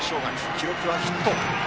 記録はヒット。